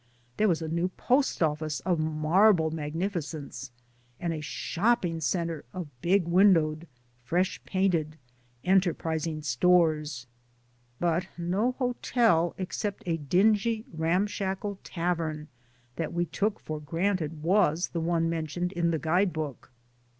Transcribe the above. There was a new post office of marble magnificence and a shopping center of big windowed, fresh painted, enterprising stores, but no hotel except a dingy ramshackle tavern that we took for granted was the one mentioned in the guide book.